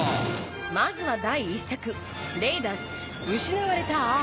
まずは第１作『レイダース／失われたアーク聖櫃』